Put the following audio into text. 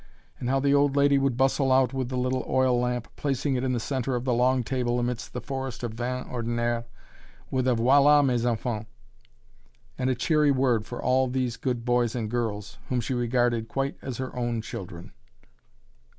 And how the old lady would bustle out with the little oil lamp, placing it in the center of the long table amid the forest of vin ordinaires, with a "Voilà, mes enfants!" and a cheery word for all these good boys and girls, whom she regarded quite as her own children.